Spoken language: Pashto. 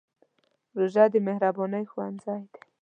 روژه د مهربانۍ ښوونځی دی.